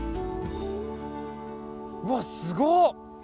うわっ、すご！